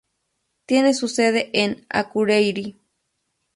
Tiene su sede en Akureyri.